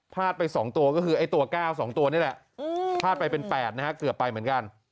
พลาดไป๒ตัวก็คือไอ้ตัว๙๒ตัวนี้แหละ